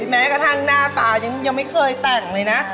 แม้กระทั่งหน้าตายังไม่เคยแต่งเลยนะ